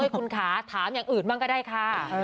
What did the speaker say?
คุณขาถามอย่างอื่นบ้างก็ได้ค่ะ